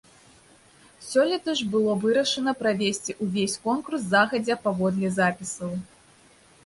Сёлета ж было вырашана правесці ўвесь конкурс загадзя паводле запісаў.